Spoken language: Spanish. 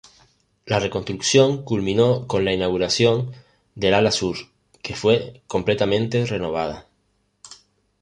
La reconstrucción culminó con la inauguración del ala sur, que fue completamente renovada.